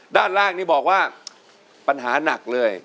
ด้านล่างนี่บอกว่าปัญหาหนักเลย